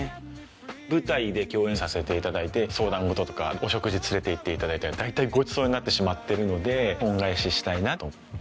舞台で共演させていただいて相談事とかお食事連れて行っていただいたら大体ごちそうになってしまってるので恩返ししたいなと。